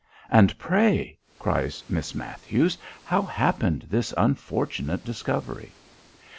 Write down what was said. "And pray," cries Miss Matthews, "how happened this unfortunate discovery?"